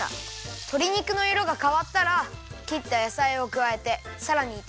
とり肉のいろがかわったらきったやさいをくわえてさらにいためるよ。